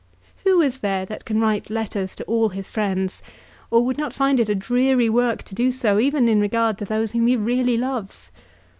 Who is there that can write letters to all his friends, or would not find it dreary work to do so even in regard to those whom he really loves?